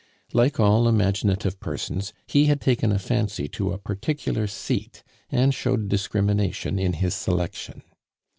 Like all imaginative persons, he had taken a fancy to a particular seat, and showed discrimination in his selection.